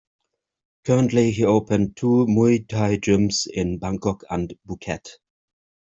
Currently, he opened two Muay Thai gyms in Bangkok and Phuket.